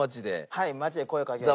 はい。